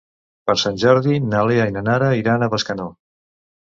Per Sant Jordi na Lea i na Nara iran a Bescanó.